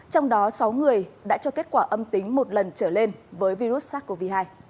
trong đó sáu người đã cho kết quả âm tính một lần trở lên với virus sars cov hai